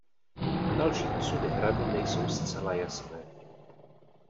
Další osudy hradu nejsou zcela jasné.